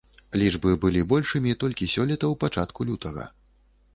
Лічбы былі большымі толькі сёлета ў пачатку лютага.